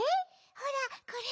ほらこれ。